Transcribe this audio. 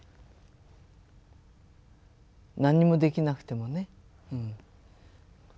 何にもできなくてもねうん。